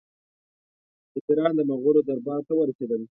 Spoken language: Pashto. سفیران د مغولو دربار ته ورسېدل.